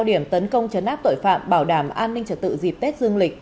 đợt cao điểm tấn công chấn áp tội phạm bảo đảm an ninh trật tự dịp tết dương lịch